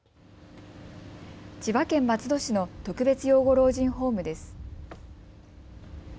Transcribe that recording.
千葉県松戸市の特別養護老人ホームです。